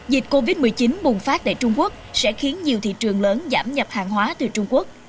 dịch covid một mươi chín bùng phát tại trung quốc sẽ khiến nhiều thị trường lớn giảm nhập hàng hóa từ trung quốc